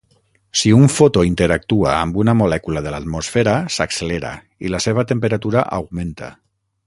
Si un fotó interactua amb una molècula de l'atmosfera, s'accelera i la seva temperatura augmenta.